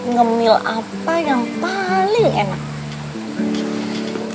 ngemil apa yang paling enak